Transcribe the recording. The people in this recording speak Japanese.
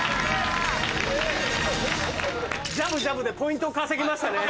ジャブジャブでポイントを稼ぎましたね。